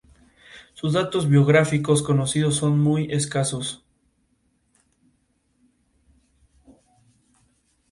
Desde su creación contaba con dos secretarios generales.